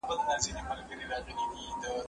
کفار پر کفر باندي د استمرار څخه ډارول.